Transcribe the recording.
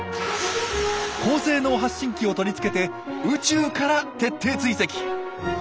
高性能発信機を取り付けて宇宙から徹底追跡！